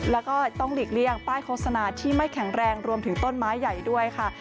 แล้วก็ต้องหลีกเลี่ยงป้ายโฆษณาที่ไม่แข็งแรงรวมถึงต้นไม้ใหญ่ด้วยค่ะ